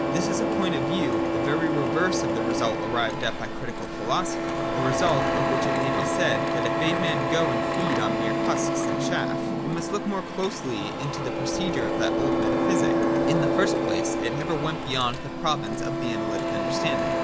— This is a point of view the very reverse of the result arrived at by the Critical Philosophy ; a result, of which it may be said, that it bade man go and feed on mere husks and chaff. We must look more closely into the procedure of that old metaphysic. In the first place it never went beyond the province of the analytic understanding.